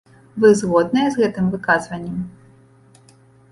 Вы згодныя з гэтым выказваннем?